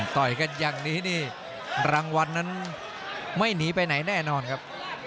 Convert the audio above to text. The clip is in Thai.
ต่อยกันอย่างนี้นี่รางวัลนั้นไม่หนีไปไหนแน่นอนครับ